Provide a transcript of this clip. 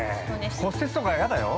骨折とかやだよ。